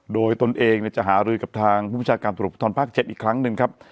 โดยตนเองเนี่ยจะหารืดกับทางภูมิชาการสุดรวจแห่งชาติภาค๗อีกครั้งหนึ่งครับ